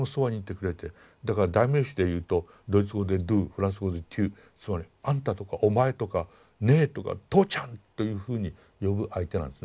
だから代名詞で言うとドイツ語でドゥーフランス語でテュつまり「あんた」とか「お前」とか「ねえ」とか「とうちゃん」というふうに呼ぶ相手なんですね。